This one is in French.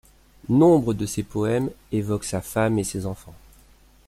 Nombre de ses poèmes évoquent sa femme et ses enfants.